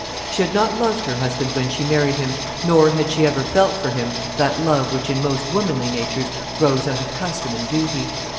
She had not loved her husband when she married him, nor had she ever felt for him that love which in most womanly natures grows out of custom and duty.